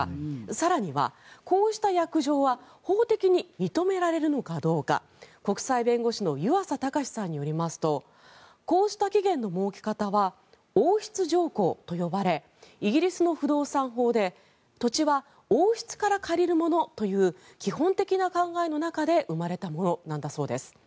更には、こうした約定は法的に認められるのかどうか国際弁護士の湯浅卓さんによりますとこうした期限の設け方は王室条項と呼ばれイギリスの不動産法で土地は王室から借りるものという基本的な考えの中で生まれたものなんだそうです。